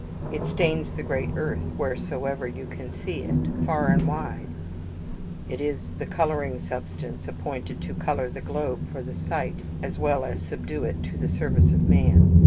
It stains the great earth wheresoever you can see it, far and wide it is the colouring substance appointed to colour the globe for the sight, as well as subdue it to the service of man.